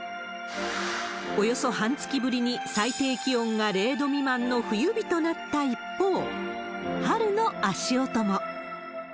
およそ半月ぶりに最低気温が０度未満の冬日となった一方、春の足音も。